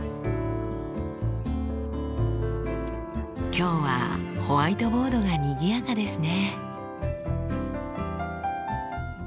今日はホワイトボードがにぎやかですね。